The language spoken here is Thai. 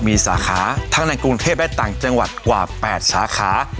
มีสาขาทั้งในกรุงเทพและต่างจังหวัดกว่า๘สาขา